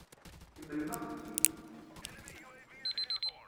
Kemmlem axeddim!